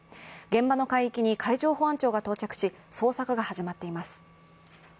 現場の海域に海上保安庁が到着し、捜索が始まっています。